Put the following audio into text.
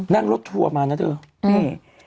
นั่งรถทัวร์มานะเถอะนี่